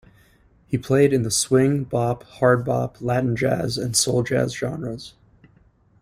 He played in the swing, bop, hard bop, Latin jazz, and soul jazz genres.